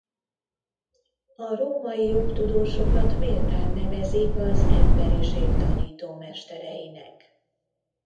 A római jogtudósokat méltán nevezik az emberiség tanítómestereinek.